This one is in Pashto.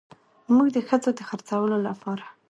موږ د ښځو د خرڅولو لپاره